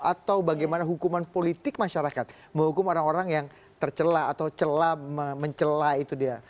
atau bagaimana hukuman politik masyarakat menghukum orang orang yang tercela atau mencela itu dia